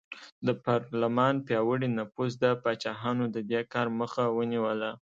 د پارلمان پیاوړي نفوذ د پاچاهانو د دې کار مخه ونیوله.